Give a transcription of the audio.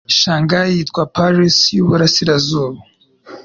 Shanghai yitwa Paris y'Uburasirazuba.